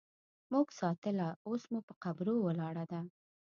مونږ ساتله اوس مو په قبرو ولاړه ده